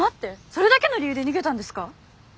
それだけの理由で逃げたんですか？